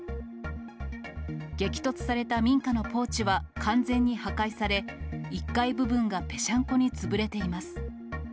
激突された民家のポーチは完全に破壊され、１階部分がぺしゃんこに潰れています。